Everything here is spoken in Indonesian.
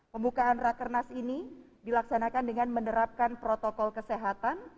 pembukaan rakernas ini dilaksanakan dengan menerapkan protokol kesehatan